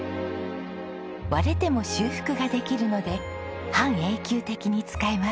割れても修復ができるので半永久的に使えます。